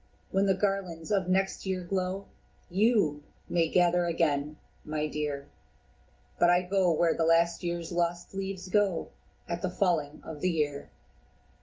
when the garlands of next year glow, YOU may gather again, my dear But I go where the last year's lost leaves go At the falling of the year."